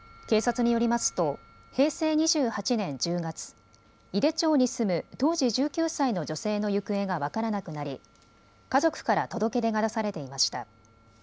警察によりますと平成２８年１０月、井手町に住む当時１９歳の女性の行方が分からなくなり家族から届け出が出されていました。